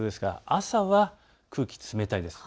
朝は空気、冷たいです。